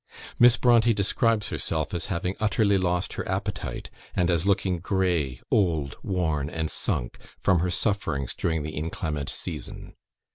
Miss Brontë describes herself as having utterly lost her appetite, and as looking "grey, old, worn and sunk," from her sufferings during the inclement season.